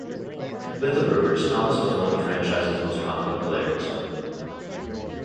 With the Brewers, Thomas was one of the franchise's most popular players.